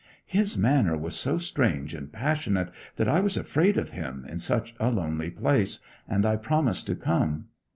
His manner was so strange and passionate that I was afraid of him in such a lonely place, and I promised to come.